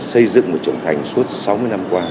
xây dựng và trưởng thành suốt sáu mươi năm qua